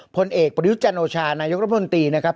ผลเอกปริยุจันโอชานายกรพนตรีนะครับ